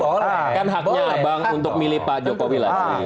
itu kan haknya abang untuk milih pak jokowi lagi